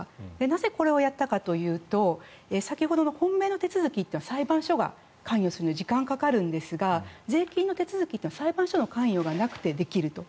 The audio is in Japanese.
なぜこれをやったかというと先ほどの本命の手続きというのは裁判所が関与するので時間がかかるんですが税金の手続きは裁判所の関与がなくてできると。